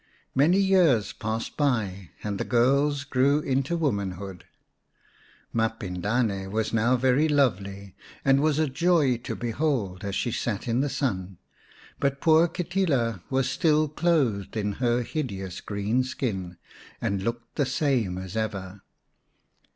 Many years passed by, and the girls grew into womanhood. Mapindane was now very lovely, and was a joy to behold as she sat in the sun, but poor Kitila was still clothed in her hideous green skin, and looked the same as ever.